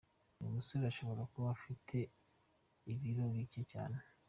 Uyu musore ashobora kuba afite ibiro bike cyane!!.